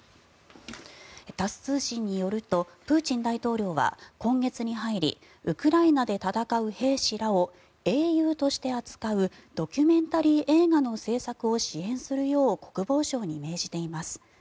タス通信によるとプーチン大統領は今月に入りウクライナで戦う兵士らを英雄として扱うドキュメンタリー映画の制作を支援するよう国防省に命じています。